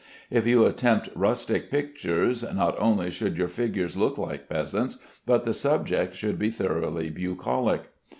If you attempt rustic pictures, not only should your figures look like peasants, but the subject should be thoroughly bucolic.